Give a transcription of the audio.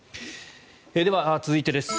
では、続いてです。